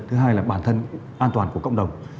thứ hai là bản thân an toàn của cộng đồng